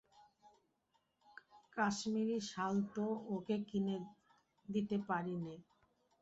Kashmiri shawl তো ওকে কিনে দিতে পারি নে।